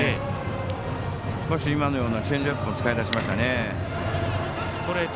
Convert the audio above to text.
少し今のようなチェンジアップも使い始めましたね。